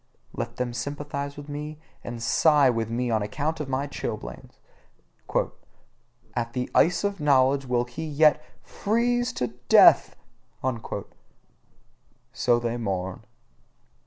Let them sympathise with me and sigh with me on account of my chilblains: "At the ice of knowledge will he yet FREEZE TO DEATH!" so they mourn.